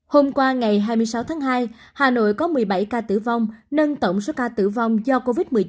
hôm qua ngày hai mươi sáu tháng hai hà nội có một mươi bảy ca tử vong nâng tổng số ca tử vong do covid một mươi chín